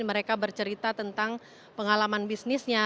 mereka bercerita tentang pengalaman bisnisnya